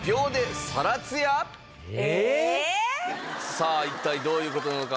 さあ一体どういう事なのか？